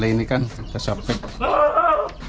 kali ini kita terlihat terlihat terlihat terlihat